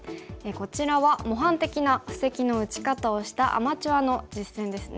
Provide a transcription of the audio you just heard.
こちらは模範的な布石の打ち方をしたアマチュアの実戦ですね。